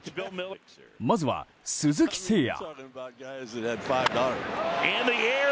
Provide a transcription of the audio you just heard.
まずは鈴木誠也。